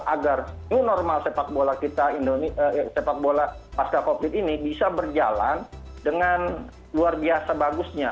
agar new normal sepak bola pasca kopit ini bisa berjalan dengan luar biasa bagusnya